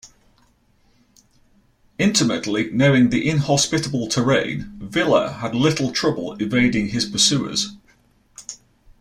Intimately knowing the inhospitable terrain, Villa had little trouble evading his pursuers.